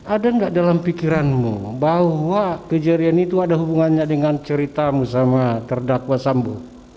ada nggak dalam pikiranmu bahwa kejadian itu ada hubungannya dengan ceritamu sama terdakwa sambu